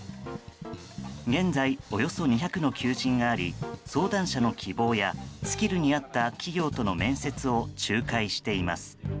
現在、およそ２００の求人があり相談者の希望やスキルに合った企業との面接を仲介しています。